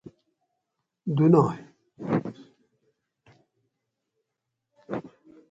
دُنائ